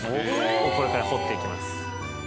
をこれから彫っていきます。